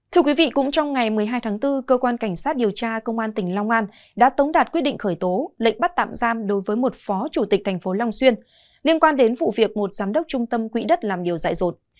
thưa quý vị cũng trong ngày một mươi hai tháng bốn cơ quan cảnh sát điều tra công an tỉnh long an đã tống đạt quyết định khởi tố lệnh bắt tạm giam đối với một phó chủ tịch thành phố long xuyên liên quan đến vụ việc một giám đốc trung tâm quỹ đất làm điều dạy rột